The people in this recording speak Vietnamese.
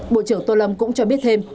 bộ trưởng tô lâm cũng cho biết thêm